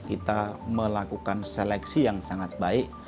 kita melakukan seleksi yang sangat baik